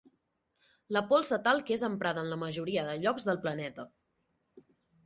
La pols de talc és emprada en la majoria de llocs del planeta.